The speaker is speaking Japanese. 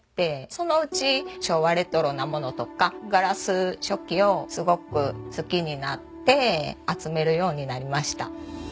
そのうち昭和レトロな物とかガラス食器をすごく好きになって集めるようになりました。